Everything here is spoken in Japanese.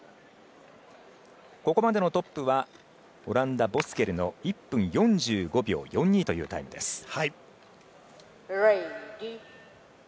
ここまでのトップはオランダ、ボスケルの１分４５秒４２というタイムです。